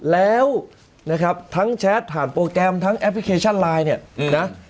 แล้วนะครับทั้งแชทผ่านโปรแกรมทั้งแอปพลิเคชันไลน์เนี่ยนะ